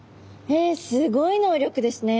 へえすごい能力ですね。